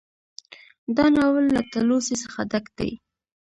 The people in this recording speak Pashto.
دا ناول له تلوسې څخه ډک دى